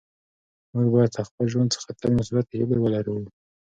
موږ باید له خپل ژوند څخه تل مثبتې هیلې ولرو.